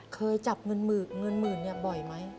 เคยจับเงินหมื่นบ่อยไหม